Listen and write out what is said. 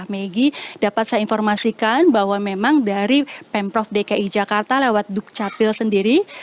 megi dapat saya informasikan bahwa memang dari pemprov dki jakarta lewat duk capil sendiri